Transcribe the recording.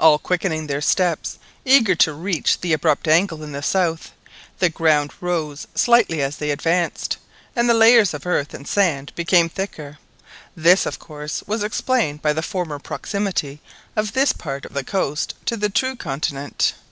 All quickened their steps, eager to reach the abrupt angle in the south. The ground rose slightly as they advanced, and the layers of earth and sand became thicker; this of course was explained by the former proximity of this part of the coast to the true continent.